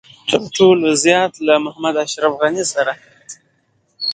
تر ټولو زيات له ډاکټر محمد اشرف غني سره.